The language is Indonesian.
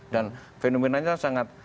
dan fenomenanya sangat